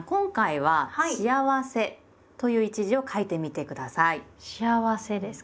はい。